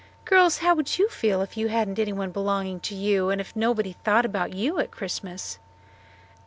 Girls, how would you feel if you hadn't anyone belonging to you, and if nobody thought about you at Christmas?"